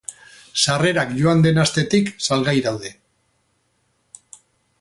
Sarrerak joan den astetik salgai daude.